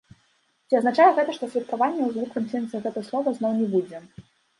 Ці азначае гэта, што святкавання ў звыклым сэнсе гэта слова зноў не будзе?